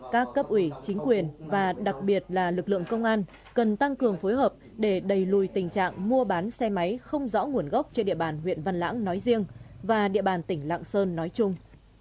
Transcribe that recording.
các cấp ủy chính quyền và đặc biệt là lực lượng công an cần tăng cường phối hợp để đẩy lùi tình trạng mua bán xe máy không rõ nguồn gốc trên địa bàn huyện văn lãng nói riêng và địa bàn tỉnh lạng sơn nói chung